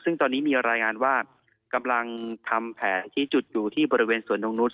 ซึ่งตอนนี้มีรายงานว่ากำลังทำแผลชี้จุดอยู่ที่บริเวณสวนตรงนุษย